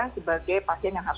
sebagai pasien yang harus